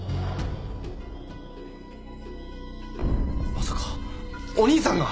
まさかお兄さんが！？